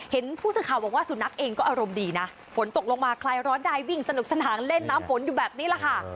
เห็นผู้สื่อข่าวบอกว่าสุนัขเองก็อารมณ์ดีนะฝนตกลงมาคลายร้อนได้วิ่งสนุกสนานเล่นน้ำฝนอยู่แบบนี้แหละค่ะ